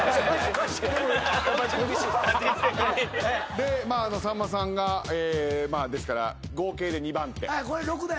でさんまさんがですから合計で２番手。